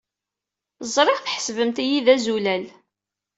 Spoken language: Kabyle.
Ẓriɣ tḥesbemt-iyi d azulal.